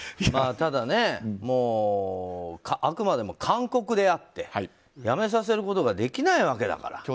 ただ、あくまでも勧告であって辞めさせることができないわけだから。